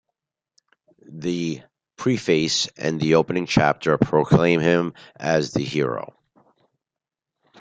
The preface and the opening chapter proclaim him as the hero.